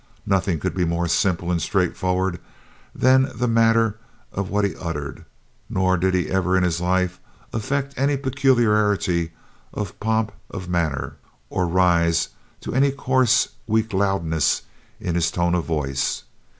Nothing could be more simple and straightforward than the matter of what he uttered; nor did he ever in his life affect any peculiarity or pomp of manner, or rise to any coarse, weak loudness in his tone of voice.